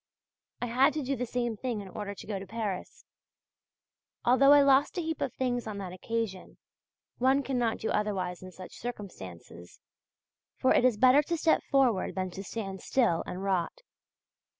I had to do the same thing in order to go to Paris; although I lost a heap of things on that occasion, one cannot do otherwise in such circumstances. For it is better to step forward than to stand still and rot.